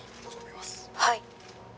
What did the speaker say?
「はい」